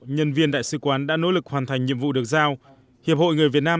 nhân viên đại sứ quán đã nỗ lực hoàn thành nhiệm vụ được giao hiệp hội người việt nam